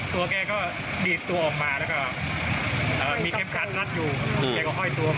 ตัวแกก็ดีดตัวออกมาแล้วก็เอ่อมีเค็มคันรัดอยู่อืม